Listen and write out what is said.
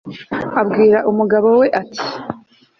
abwira umugabo we, ati